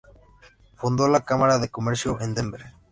Fundó la Cámara de Comercio de Denver.